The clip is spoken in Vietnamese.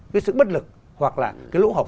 cái sự bất lực hoặc là cái lỗ hỏng